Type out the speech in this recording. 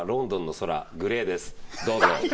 どうぞ。